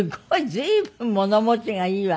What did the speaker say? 随分物持ちがいいわね。